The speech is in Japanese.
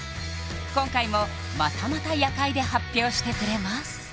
今回もまたまた「夜会」で発表してくれます